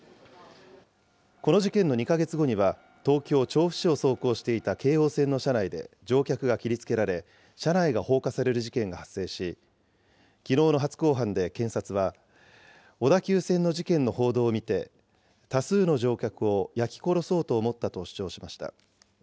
この事件の２か月後には、東京・調布市を走行していた京王線の車内で乗客が切りつけられ、車内が放火される事件が発生し、きのうの初公判で検察は、小田急線の事件の報道を見て、多数の乗客を焼き殺そうと思ったと主張しました。